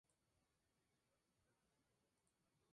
Participó en el libro “Hambre de Gol.